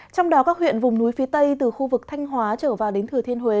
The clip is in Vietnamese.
trong đó các huyện vùng núi phía tây từ khu vực thanh hóa trở vào đến thừa thiên huế